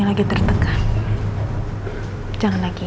aku gak bisa ketemu mama lagi